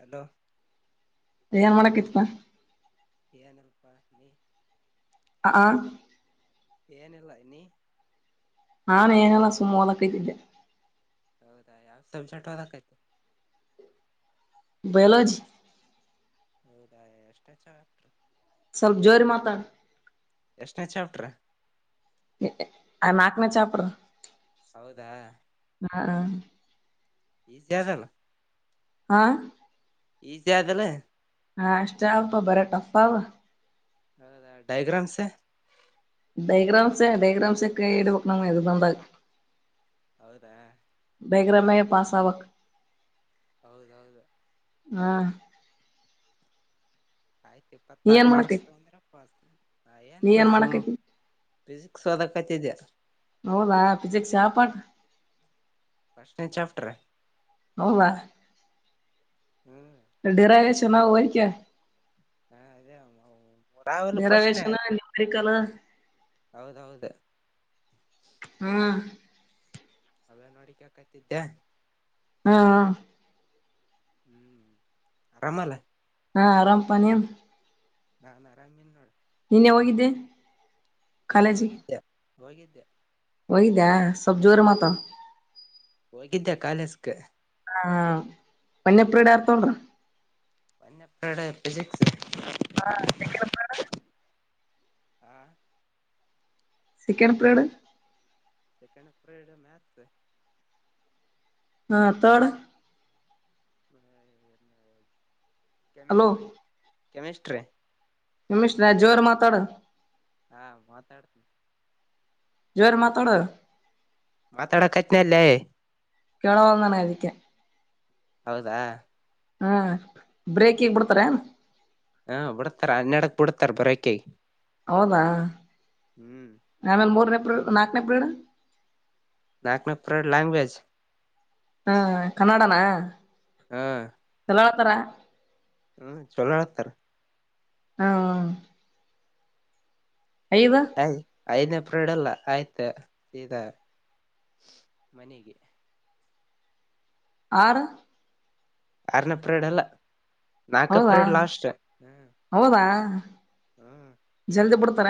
Hello ಏನ್ ಮಾಡಕಿತ್ಪ್ಪ ಏನು ರೂಪ ನೀ ಹಾ ಏನಲ್ಲ ನೀ ನಾನು ಏನಲ್ಲ ಸುಮ್ನೆ ಓದು ಕೋತಿದ್ದೆ ಹೌದಾ ಯಾವ ಸಂಸೆಟ ಹದಕಯ್ತ ಬಯಲೋಜಿ ಹೌದಾ ಎಷ್ಟ ಹೆ ಚ ಆ ಸ್ವಲ್ಪ ಜೋರಿ ಮಾತಾಡ್ ಎಷ್ಟನೇ ಚಾಪ್ಟ್ರ ನಾಲ್ಕನೇ ಚಾಪ್ಟರ್ ಹೌದಾ ಹಾ ಹ ಈ ಜಸಲ್ಲ ಹಾ ಈಜ ಆದದಲ್ಲ ಹಾ ಅಷ್ಟ ಅಪ್ಪ ಬರ ಟಫವ ಹೌದ ಡೈಗ್ರಾಮಸ ಡಯಾಗ್ರಾಂ ಸೆ ಡೈಗ್ರಾಮ್ ಸೆ ಡುವಕ್ಕಣ ಹೌದಾ ಬೇಗರಮ ಪಾಸಾವಕ್ ಹೌದೌದು ಹಾ ಆಯ್ತು ನೀ ಇಪ್ಪತ್ನಾಲ್ಕು ಏನ್ ಮಾರ್ಕ್ಸ್ ಮಾಡಕೈತಿ ತಗೊಂಡ್ರೆ ಪಾಸ್ ನೀ ಏನಿಲ್ಲ ಏನ್ ಸುಮ್ ಮಾಡಕೈತಿ ಪಿಜಿ ಸೋದಕ್ಕತಿದ ನೌಲಾ ಫಿಜಿಕ್ಸ್ ಯಾವ ಪಾಠ ಪ್ರಶನೆ ಚಾಪ್ಟರ್ ಹೌದ ಹ್ಮ್ ರೆಡ್ಡಿ ರಾಗ ಶಿವನಗ ವ ಕ ಹಾ ಅದೇ ರಾವಲು ಪ್ರಶ್ನೆ ಡಿರವೇಶನ್ ನ್ಯೂಮರಿಕಲ್ ಹೌದೌಹೌದು ಹ್ಮ್ ಅವ ನೋಡಿಕಕತಿದ್ದೆ ಹಾ ಹ ಹ್ಮ್ ಆರಾಮಲ್ಲ ಹಾ ಆರಾಮ್ ಪಾ ನೀನು ನಾ ನಾ ಆರಾಮ ಇಲ್ಲ ನೋಡ ನಿನ್ನೆ ಹೋಗಿದ್ದೆ ನಿನ್ನೆ ಹೋಗಿದ್ದೆ ಹೋಗಿದ್ದೆ. ಒಯದಾ ಸ್ವಲ್ಪ ಜೋರಾಗ ಮಾತಡು. ಹೋಗಿದ್ದ್ಯಾ ಕಾಲೇಜಗೆ ಹಾ ವನ್ನೆ ಪಿರಿಡ್ ಯಾರ್ ತಗೊಂಡರ ವನ್ನೆ ಪಿರೇಡ್ ಫಿಸಿಕ್ಸ್ ಸೆಕೆಂಡ್ ಪಿರಿಯಡ್ ಹ ಚಿಕನ್ ಪಿರೇಡ್ ಸೆಕಂಡ್ ಪಿರೇಡ್ ಮಾಥ್ಸ್ ಹಾ ಥರ್ಡ್ ಹಲ್ಲ ಆ ಹಲೋ ಕೆಮಿಸ್ಟ್ರಿ ಕೆಮಿಸ್ಟ್ರಿ. ನಿಮಿಷ್ಟ್ರಾ ಜೋರ ಮಾತಾಡ. ಹಾ ಮಾತಾಡ್ತ. ಜವರ ಮಾತಡ. ಮಾತಾಡ ಕತ್ನಾಲ್ಲೇ ಕೆಲವಳದ ನನಿಗೆ ಅದಿಕೆ ಹೌದಾ ಹ್ಮ ಬ್ರೇಕಗ್ ಬಿಡ್ತಾರ ಏನ್ ಹಾ ಬಿಡ್ತಾರ ಹನ್ನಡಕ್ ಬಿಡ್ತಾರ ಬರಕೆ ಹೌದಾ ಆಮೇಲೆ ಮೂರನೇ ನಾಕನ ಪಿರೇಡ್ ನಾಕ್ನ ಪಿರೇಡ್ ಲಾಂಗವೇಜ್ ಹಾ ಕನ್ನಡನಾ ಹ್ಮ. ಬಳತರ. ಹ್ಮ ಚಲೋ ಆಕ್ತಾರ. ಹಾ. ಯವ. ಐದನಪಡಲ್ಲ ಆಯ್ತ ಈ ಮನೆಗೆ. ಆರು. ಆರನಪ್ರೇಡಲ್ಲ. ಹೌದಾ ನಾಕಪ್ರ ಲಾಸ್. ಹೌದಾ. ಎಲ್ದಿ ಬಿಡ್ತಾರ.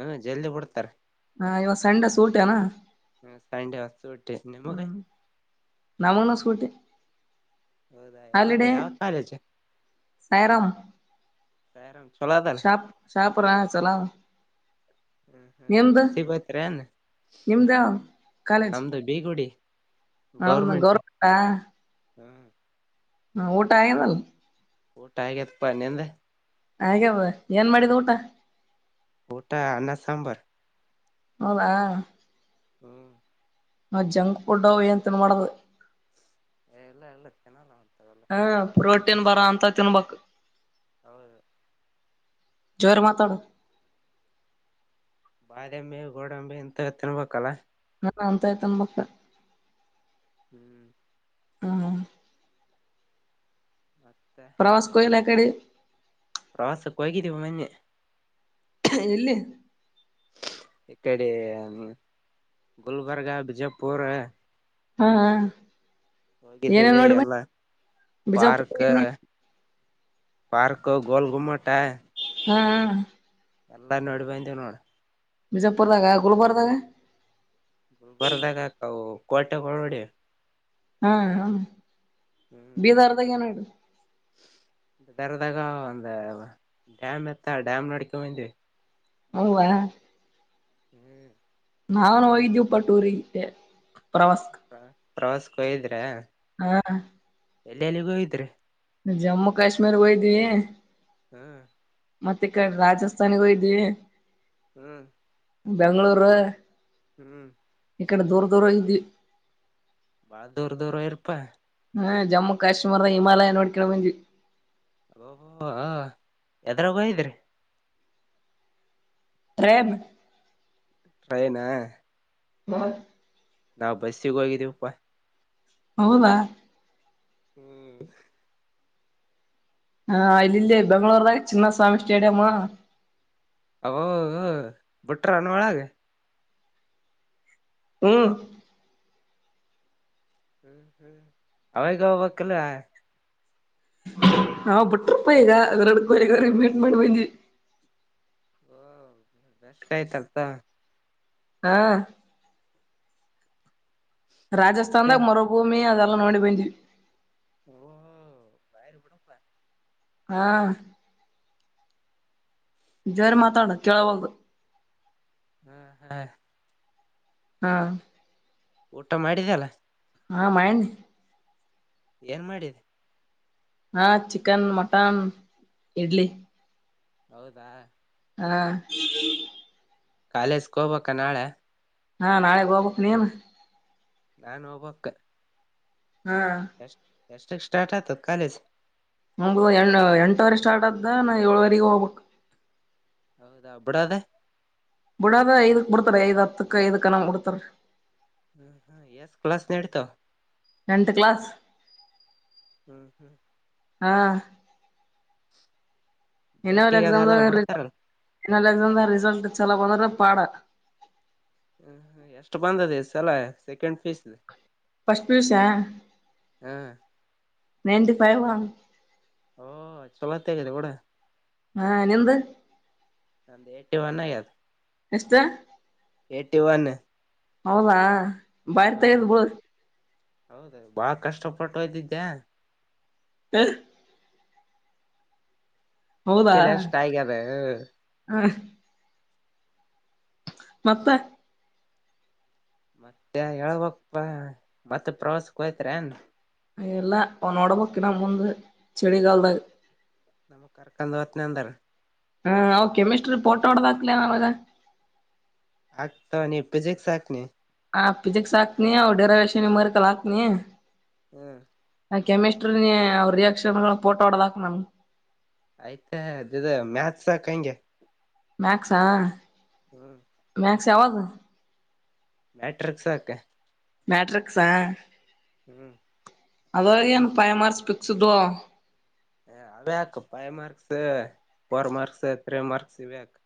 ಹ್ಮ ಜಲ್ದಿ ಬಿಡ್ತಾರ. ಹಾ ಇವನ್ ಸಣ್ಣ ಸೂಟಏನಾ ಹ ಸಂಂಡ ವಸ್ತ ಒಟ್ಟೆ ಮಗ ನಮಲ್ಲ ಸಗಟೆ ಹೌದಾ ಯಾವ್ದ ಹಾಲಿಡೇ ಯಾವ ಕಾಲೇಜ್ ಸಾಯರಾಮಪ್ ಸಾಯರಾಮ್ ಚಲೋ ಅದಲ್ಲ ಶಾಪರಾ ಚಲಾಮ ಹ್ಮ್ ಹ್ಮ್ ಬಸಿ ಬತ್ನ್ ನಿಮ್ದ ನಮ್ದು ಬೀಗುಡಿ ಹ ಗೌರ್ಮೆಂಟ್ ಗೌರವಪ್ಪ ಹ್ಮ್ ಹಾ ಊಟ ಆಗನಲ್ಲ ಊಟ ಆತ್ಪ್ಪ ನಿಂದ ಹಾಗೆವ ಏನ್ ಮಾಡಿದ್ ಊಟ ಊಟಾ ಅನ್ನ ಸಾಂಬಾರ ಹೌದಾ ಹ್ಮ್ ನಾ ಜಂಕ್ ಫುಡ್ತನ್ ಮಾಡದು. ಎಲ್ಲ ಎಲ್ಲ ಚೆನ್ನ. ಹಾ ಪೋ. ಟ್ಟನ್ ಬರ ಅಂತ ತಿನ್ಬಕ್ [inaudible] ಜೋರ್ ಬಂದಾವ ಬಾದಾಮಿ ಗೋಡಂಬೆ ಎಂತ ತಿನ್ಬೇಕಲ್ಲ ನಂತಾಯ ತೊಂಬಕ್ಕ ಹ್ಮ್ ಹ್ಮ ಮತ್ತೆ ಪ್ರವಾಸ ಕೊಯಲ್ಲ ಅ ಕಡೆ. ಪ್ರಾಾಸ ಕೊೈಗರಿವ ಮ ಎಲ್ಲಿ. ಇಕ್ಕಡೆ ಗುಲ್ಬರ್ಗಾ ಬಿಜಾಪುರ್. ಹಾ ಹ. ಹೋಗಿದ್ದೀವಿ ಎಲ್ಲ ಬಿಜಾಪುರ ಪಾರ್ಕ್ ಏನ್ ನೋಡಿ ಪಾರ್ಕ ಗೋಲ್ ಗುಮ್ಮಟ್ಟ ಹಾ ಹಾ ಎಲ್ಲ ನೋಡಿ ಬಂದ್ವಿ ನೋಡ ಬಿಜಾಪುರ್ರ್ದಾಗ ಗುಲ್ಬರ್ಗದಾಗ [unintelligible] ಹಾ ಹಾ ಬೀದರ್ ದಾಗ ಏನ್ ನೋಡಿ ತರದಾಗ ಅಂದ ಡ್ಯಾಮ್ ಇತ್ತಾ ಡ್ಯಾಮ್ ನೋಡ್ಕ್ಯಾಂಡ ಬಂದ್ವಿ ಹೌವಾ [inaudible] ನಾವನು ಹೋಗಿದ್ವಿ ಟೂರಿಗೆ ಪ್ರವಾಸ್ ಹ ಪ್ರವಾಸಕ್ಕ ಹೋಗಿದ್ರ್ಯ ಹಾ ಎಲ್ಲ ಎಲ್ಲಿಗ್ ಹೋಗಿದ್ರಿ ಜಮ್ಮು ಕಾಶ್ಮೀರ್ ಹೋಯ್ದ್ವಿ ಹ್ಮ್ ಮತ್ತೆ ಇಕಡಿ ರಾಜಸ್ಥಾನಗ ಹೋಗಿದ್ವಿ ಹ್ಮ್ ಬೆಂಗಗಳೂರು ಹ್ಮ್ ಇಕಡೆ ದೂರ ದೂರ ಹೋಗಿದ್ವಿ ಬಾಳ ದೂರ ದೂರ ಹೋಗಿರ್ ಪಾ ಹ್ಮ ಜಮ್ಮು ಕಶ್ಮೀರ್ ಹಿಮಾಲಯ ನೋಡ್ಕ್ಯಾ ಬಂದ್ವಿ ಓಹೋ ಹ ಎದರಾಗ ಹೋಗಿದ್ರಿ ಟ್ರೈನ್ ಟ್ರೈನ್ ಮ ನಾವು ಬಸ್ಸಿಗೆ ಹೋಗಿದ್ದೀವಪ್ಪಾ ಹೌದಾ ಹ್ಮ್ ಹಾ ಇಲ್ಲಿ ಬೆಂಗಗಳೂರ ದಾಗ ಚಿನ್ನಸ್ವಾಮಿ ಸ್ಟೇಡಿಯಮ್ಮ ಬಿುಟ್ರನ್ನ ಒಳಗೆ ಹ್ಮ ಹ್ಮ್ ಹ್ಮ್ ಅವಾಗೆ ಹೋಬೋಕಿಲ್ಲ ನಾ ಬಿುಟ್ರಪ್ಪ ಇದ ಎರಡ್ಕೋಗ್ರ ಭೇಂಟ್ ಮಾಡಿ ಬಂದವಿ ಓ ಬೆಸ್ ಆಯ್ತಲ್ತ ಹಾ ಮತ್ತೆ ರಾಜಸ್ಥಾನ್ದಾಗ ಮರುಭೂಮಿ ಅದ ನೋಡಿ ಬಂದ್ವಿ ಓ ಬಾರಿ ಬುಡಪ್ಪ ಹಾ ಜೋರ್ ಆಗ್ ಮಾತಾಡು ಕೆಳವಲ್ದು ಹ್ಮ್ ಹಾ ಹಾ ಊಟ ಮಾಡಿದ್ಯಲ್ಲ ಹಾ ಮಯನ್ ಏನ್ ಮಾಡಿದೆ ಹಾ ಚಿಕನ್ ಮಟನ್ ಇಡ್ಲಿ ಹೌದಾ ಹಾ ಕಾಲೇಜ್ಗೆ ಹೋಗ್ಬ ನಾಳೆ ಹಾ ನಾಳೆ ಹೋಗಬೇಕು ನೀನ್ ನಾನು ಹೋಗ್ಬೇಕು ಹ್ಮ್ ಎಷ್ಟದಕ್ ಸ್ಟಾರ್ಟ ಆಯ್ತಾ ಕಾಲೇಜ ಮುಂಗ ಎ ಎಂಟುವರೆ ಸ್ಟಾರ್ಟ್ ಆದ್ದ ನಾ ಏಳುವರೆಗ ಹೋಗ್ಬೇಕು ಹೌದಾ ಬಿಡದ ಬಿಡಾದ ಐದಕ್ ಬಿಡ್ತಾರ ಐದ್ ಹತ್ತುಕ್ ಐದ ಕಣ ಬಿಡ್ತಾರ ಹ್ಮ ಹ್ಮ ಎಸ್ ಕ್ಲಾಸ್ ನಡ್ತಾವ ಎಂಟು ಕ್ಲಾಸ್ ಹ್ಮ್ ಹ್ಮ್ ಹಾ ಇನ್ನೊಂದು ಬ್ರೇಕಿಗೆ ಎಕ್ಸಾಮ್ಗ ಅದೆಲ್ಲ ಬಿಡ್ತಾರಲ್ಲ ಇನ್ನೊಂದು ಎಕ್ಸಾಮಾಗ ರಿಸಲ್ಟ್ ಚಲ ಬಂದ್ರ ಪಾಡ ಹ್ಮ ಎಷ್ಟು ಬಂದದೆೇ ಸಲ second first P U C ಹಾ ನೆಟಿಫೈನ್ ಓ ಚಲತ್ತೆಗದೆವಡ ಹಾ ನಿಂದು ಒಂದ ಟೆನ್ಷನ್ ಆಗ ಅದು ಎಷ್ಟ ಏಟಿ ಒನ್ ಹೌದ ಭಾರತ ಹ್ಮ ಇದುಬೋ ಹೌದ ಬಾಳ ಕಷ್ಟಪಟ್ಟುಯ್ದಿದ್ದೆ ಹ ಹೌದಾ ಅದಿಕೆಲ್ಲೆ ಅಷ್ಟ ಆಗ್ಯದ ಮತ್ತ ಮತ್ತೆ ಹೇಳ್ಬಕ್ ಪಾ ಮತ್ತ ಪ್ರವಾಸಕ್ ಹೋಗಿದ್ರಾ ಏನ್ ಅ ಎಲ್ಲ ಅವನೊಡಂಬಕ್ಕಿನ ಮುಂದ ಚಳಗಾಲದ ನಮ್ ಕರಕಂದು ವತ್ನ ಅಂದಾರೆ ಹಾ ಅವ ಕೆಮಿಸ್ಟ್ರಿ ಪೋಟೋ ಹೊಡದಾಕ್ಲ ನಾವಾಗ ಆಗ್ತ ನೀ ಎಪ್ಪೇಜೆಕ್ ಸಾಕ್ನೆ ಹಾ ಫಿಸಿಿಕ್ಸ್ ಹಾಕ್ತನಿ ಅವವು ಡೇರೆ ವಷ ಮರ್ಕಲ್ ಹಾಕ್ನಿ ಹ್ಮ್ ಕೆಮಿಸ್ಟ್ರ ಅವ ರಿಯಾಕ್ಷನ್ ಫೋಟೋ ಆಡದಾಕ ನಮ ಆಯ್ತಾ ಅ ಮ್ಯಾಕ್ಸ್ ಕಂಗೆ ಮಕ್ಸಾ ಹ್ಮ್ ಮ್ಯಾಕ್ಸ ಯವದು ಮ್ಯಾಟ್ರಿಕ್ಸ್ ಸಾಕ ಮ್ಯಾಟ್ರಿಕ್ಸಾ ಹ್ಮ್ ಅದವ ಏನ್ ಫೈವ್ ಮಾರ್ಕ್ಸ್ ಕ್ಸ್ದು ಹ ಅ್ಯಾಕ್ five marks four marks three marks ಇವ್ಯಾಕ್.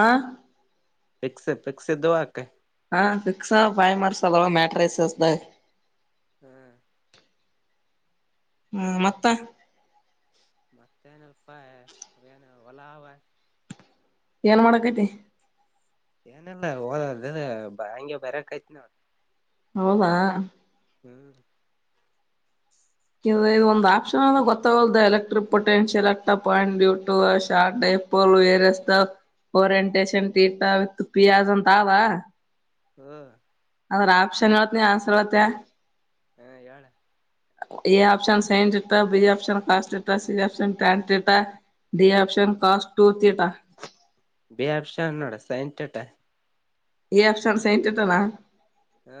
ಆ ಪಿಕ್ಸ್ ಪಕ್ಸ್ ಇದುವು ಅಕ್ ಹ ಸಿಕ್ಸ್ಸಾ ಫೈವ್ ಮಾರ್ಕ್ಸ್ ಅವಾ ಮಟ್ರಿಸಸ್ ದಾಗ ಹ್ಮ್ ಹ್ಮ ಮತ್ತ ಮತ್ತೇನಲ್ಪ್ಪ ಏನು ಹೊಲ ಅವ. ಏನ್ ಮಾಡಕೈತಿ. ಏನಲ್ಲ ಹೋದ ಹಂಗೆ ಬರಕ್ಾಯತಿ ನೋಡ್. ಹೌದಾ ಹ್ಮ್ ಇ ಇದು ಒಂದ್ ಆಪ್ಷನ್ ಅಲ್ಲ ಗೊತ್ತಾಗಲ್ ಎಲೆಕ್ಟ್ರಿಕ್ ಪೊಟೆನ್ಷಿಯಲ್ಕ್ ಪಾಯಿಂಟ್ಟ ಶಾರ್ಟ ಪ ಏಸ್ ಓರಿಯಂಟೇಶನ್ ಟೀಟಾ ವಿತ್ ಪಿಯಾಜ್ ಅಂತ ಆವಾ. ಹ್ಮ ಅದ್ರ ಆಪ್ಷನ್ ಹೇಳ್ತ್ನಿ ಆನ್ಸರ್ ಹೇಳ್ತಿಯ ಹ್ಮ ಹೇಳ A option sine theta B option cos theta C option tan theta D option cos two theta. ಬೇ ಅಪ್ಷಾನ್ನೋಡ sine theta A option sine theta ಹ್ಮ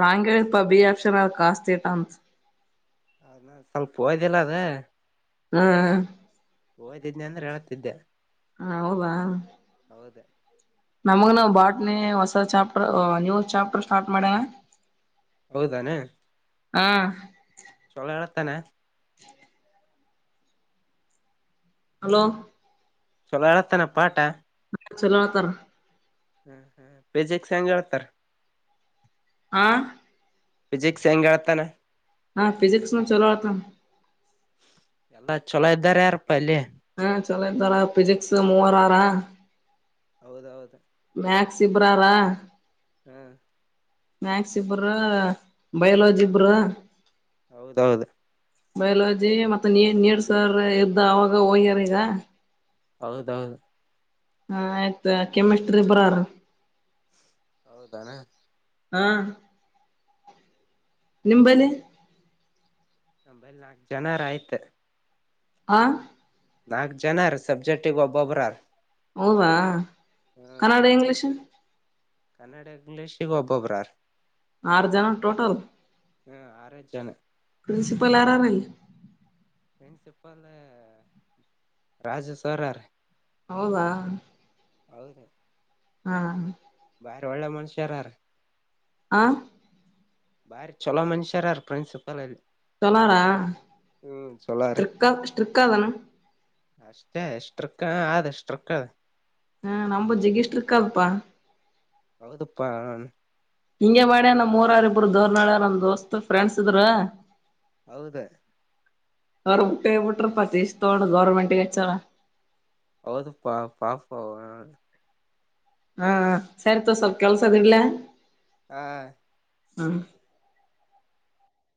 ರಾಂಗಗೆಪ ಬಿಿ ಆಪ್ಷನ್ ಅ ಆನ್ಸರ್ ಕಸ್ ಟಿಟ ಅದಾ ಸ್ವಲ್ಪ ಹೋ್ದಿಲ್ಲ ಅದ ಹ್ಮ್ ಓದಿದ್ದನೆ ಅಂದ್ರೆ ಹೇಳ್ತಿದೆ. ಹ ಹೌದ. ಹೌದ. ನಮಗ ನ ಬಾಟ್ನೆ ಹೊಸ ಚಾಪ್ಟರ್ ನೀವು ಚಾಪ್ಟರ್ ಸ್ಟಾರ್ಟ್ ಮಾಡ್ಯನಾ ಹೌದಾನೆ ಹಾ ಸುಳ್ಳ ಹೇಳತಾನೆ. ಹ ಹಲೋ. ಚಲೋ ಹೇಳತಾನ ಪಾಠ. ಚಲೋ ಹೇಳ್ತಾರ. ಹ ಹಾ ಫಿಸಿಕ್ಸ್ ಹೆಂಗ ಹೇಳ್ತಾರ. ಆಾ ಫಿಜಿಕ್ಸ್ ಹೆಂಗಳತಾನ ಹಾ ಿಜಿಕ್ಸ್ ನು ಚಲೋ ಹೇಳ್ತನ ಎಲ್ಲ ಚಛಲೋ ಇದ್ದಾರೆ ಯಾರಪ್ಪ ಅಲ್ಲಿ ಹಾ ಚಲೋ ಇದ್ದಾರ ಫಿಸಿಿಕ್ಸ್ ಮೂವರ ಆರ ಹೌದೌದು. ಮಾಥ್ಸ್ ಸಿಬ್ರಾರಾ ಹ್ಮ್ ಮ್ಯಾಕ್ಸ್ ಇಬರ ಬಯಲಜಿ ಇಬರ. ಹೌದೌದು ಬಯಲಜಿ ಮತ್ತ ನೀ ನೀಡ್ಸರ್ ಎದ್ದ ಅವಾಗ ಹೋಗ್ಯಾರ ಈಗ. ಹೌದೌದು ಹಾ ಆಯ್ತ ಕೆಮಿಸ್ಟ್ರಿ ಬರಾರ. ಹೌದ ಅನ. ಹಾ ನಿಂಬಲ್ಲಿ. ನಂಬಲ್ಲಿ ನಾಲ್ಕು ಜನಾರ ಆಯ್ತ. ಹಾ ನಾಕ್ ಜನಾರ ಸಬ್ಜೆಕ್ಟ್ಗ್ ಒಬ್ಬೊಬ್ಬ್ರಾರ. ಹೌದಾ. ಕನ್ನಡ ಇಂಗ್ಲೀಷ್. ಕನ್ನಡ ಇಂಗ್ಲೀಷ್ಗ ಒಬ್ಬೊಬ್ಬ್ರಾರ್. ಆರು ಜನ ಟೋಟಲ್. ಹ್ಮ ಆರೆ ಜನ. ಪ್ರಿನ್ಸಿಪಾಲ್ ಆರನಿಲ್ಲ. ಪ್ರನ್ಸಿಪಲ್ ರಾಜ ಸರ್ರರಾರ. ಹೌದಾ. ಹೌದ. ಹಾ. ಒಳ್ಳ ಮನುಷ್ಯರಾರ. ಆ. ಬಾರಿ ಚೊಲೋ ಮನುಷ್ಯರಾರ ಪ್ರಿನ್ಸಿಪಲ್ ಅಲ್ಲಿ. ಚಲಾರಾ ಹ್ಮ್ ಚಲೋರ ಸ್ಟ್ರ ಸ್ಟ್ರಿಕ್ ಆದ ಏನು. ಅಷ್ಟೇ ಸ್ಟ್ರಿಕ್ ರಕ್ಕ ಅಷ್ಟ ಸ್ಟ್ರಿಕ್ ಅದ. ಹ್ಮ ನಮ್ಮದ ಜಿಗಷ್ಟರ್ಕಾ ಕಬ್ಬಾ ಹೌದಪ್ಪಾ ಹಾ ಹಿಂಗೆ ಮಾಡ್ಯಾನ್ ನಮ್ ಮೂರಾರ ಇಬ್ರು ದೋರ್ನಾಳ ನಮ್ ದೋಸ್ತ್ ಫ್ರೆಂಡ್ಸ್ ಇದ್ರ. ಹೌದಾ ಅವ್ರ ಊಟ್ಟ ಬಿಟ್ರ ಪತಿಷ್ಟ ತೋಡ್ ಗೌರ್ಮೆಂಟ್ಗೆ ಹೆಚ್ಚಾರ [inaudible] ಹೌದು ಪಾ ಪಾಪ ಹಾ ಸರಿ ತೊಗೊ ಸ್ವಲ್ಪ ಕೆಲ್ಸ ಅದ ಇಡ್ಲಾ. ಹ ಹಾ